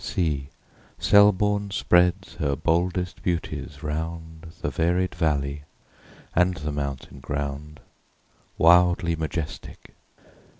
See, Selborne spreads her boldest beauties round The varied valley, and the mountain ground, Wildly majestic